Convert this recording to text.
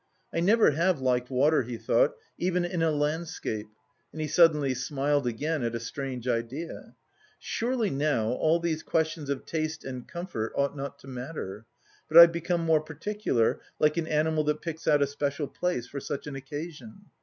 "I never have liked water," he thought, "even in a landscape," and he suddenly smiled again at a strange idea: "Surely now all these questions of taste and comfort ought not to matter, but I've become more particular, like an animal that picks out a special place... for such an occasion.